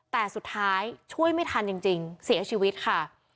แต่สุดท้ายช่วยไม่ทันจริงเสียชีวิตค่ะ